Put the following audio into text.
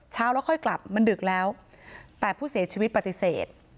เช้าแล้วค่อยกลับมันดึกแล้วแต่ผู้เสียชีวิตปฏิเสธ